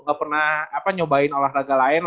nggak pernah nyobain olahraga lain